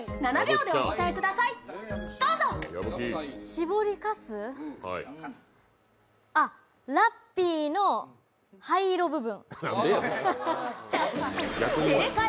しぼりかすあっ、ラッピーの灰色部分。